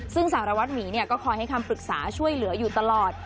ซึ่งสารวัตรหมีก็คอยให้คำปรึกษาช่วยเหลืออยู่ตลอด